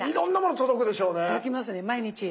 届きますね毎日。